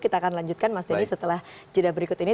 kita akan lanjutkan mas denny setelah jeda berikut ini